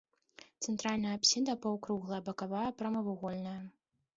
Цэнтральная апсіда паўкруглая, бакавая прамавугольная.